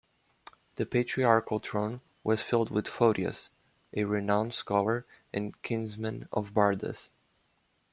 The patriarchal throne was filled with Photius, a renowned scholar and kinsman of Bardas.